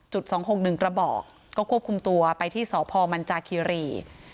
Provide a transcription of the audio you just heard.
สองหกหนึ่งกระบอกก็ควบคุมตัวไปที่สพมันจาคิรี